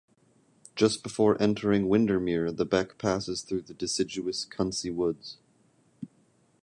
Just before entering Windermere the beck passes through the deciduous Cunsey Wood.